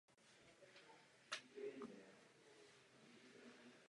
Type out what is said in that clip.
Byla zde objevena středně velká populace tohoto brouka.